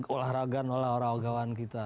olahragan olahragaan kita